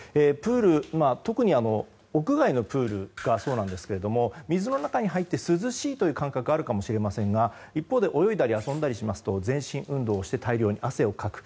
今、特に屋外のプールがそうなんですけども水の中に入って涼しいという感覚があるかもしれませんが一方で泳いだり遊んだりしますと全身運動をして大量に汗をかく。